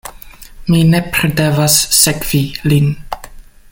Mi nepre devas sekvi lin.